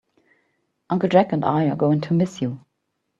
Uncle Jack and I are going to miss you.